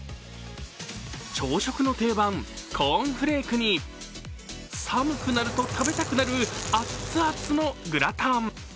朝食の定番コーンフレークに寒くなると食べたくなるアッツアツのグラタン。